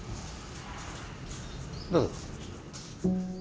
どうぞ。